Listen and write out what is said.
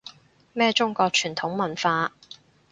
咩中國傳統文化